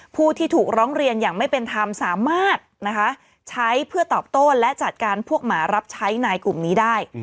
ผู้ที่ถูกร้องเรียนอย่างไม่เป็นธรรมสามารถใช้เพื่อตอบโต้และจัดการพวกหมารับใช้นายกลุ่มนี้ได้